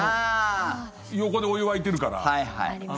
横でお湯沸いてるから。